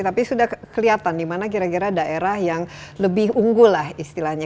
tapi sudah kelihatan di mana kira kira daerah yang lebih unggul lah istilahnya